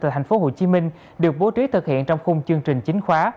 tại tp hcm được bố trí thực hiện trong khung chương trình chính khóa